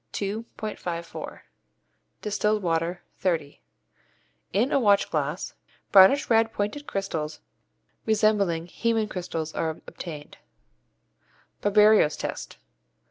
54; distilled water, 30) in a watch glass, brownish red pointed crystals resembling hæmin crystals are obtained. _Barberio's Test.